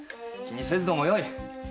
気にせずともよい。